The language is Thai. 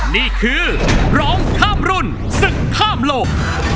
นี่คือร้องข้ามรุ่นศึกข้ามโลก